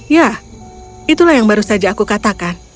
ya itulah yang baru saja aku katakan